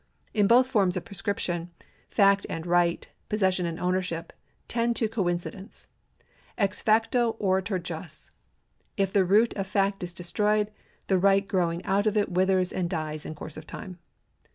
In both forms of prescription, fact and right, possession and ownership, tend to coincidence. Ex facto oritur jus. If the root of fact is destroyed, the right growing out of it withers and dies in course of time.